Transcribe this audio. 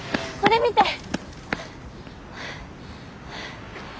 これ見て！